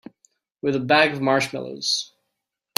With a bag of marshmallows.